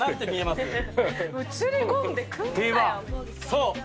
そう！